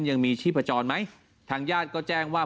ยังมีชีพจรไหมทางญาติก็แจ้งว่า